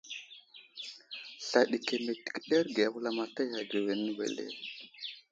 Sla ɗi keme təkeɗerge a wulamataya ane wele.